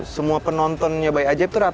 semua penontonnya bayi ajaib tuh rata rata